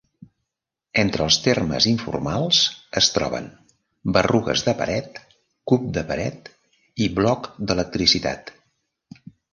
Entre els termes informals es troben: berrugues de paret, cub de paret i bloc d'electricitat.